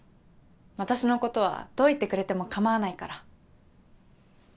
私のことはどう言ってくれてもかまわないから。